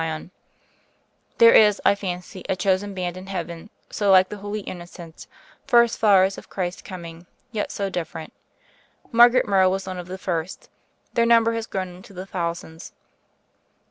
THE FAIRY OF THE SNOWS 113 There is, I fancy, a chosen band in Heaven, so like the Holy Innocents, first flowers of Christ's coming, yet so different. Margaret Morrow was one of the first ; their number has grown into the thousands.